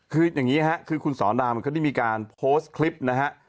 คืออย่างนี้ฮะคือคุณสอนามเขาได้มีการโพสต์คลิปนะฮะ